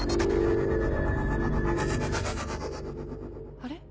あれ？